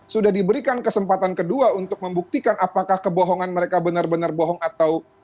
sudah diberikan kesempatan kedua untuk membuktikan apakah kebohongan mereka benar benar bohong atau